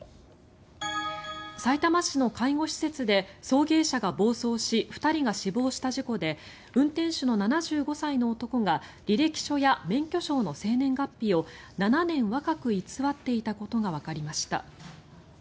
さいたま市の介護施設で送迎車が暴走し２人が死亡した事故で運転手の７５歳の男が履歴書や免許証の生年月日を７年若く偽っていたことがわかりました。